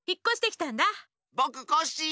ぼくコッシー。